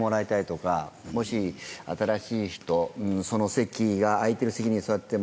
もし新しい人その席が空いてる席に座ってても。